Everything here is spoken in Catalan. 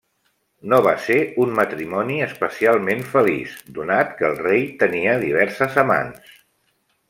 No va ser un matrimoni especialment feliç, donat que el rei tenia diverses amants.